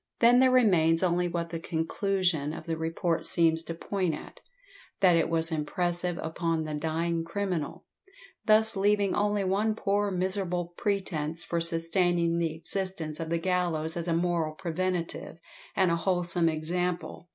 Then there remains only what the conclusion of the report seems to point at, that it was impressive upon the dying criminal, thus leaving only one poor miserable pretence for sustaining the existence of the gallows as a moral preventative, and a wholesome example.